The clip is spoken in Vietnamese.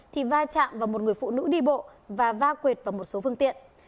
thì va chạm vào một người phụ nữ đi bộ và va quyệt vào một số phương tiện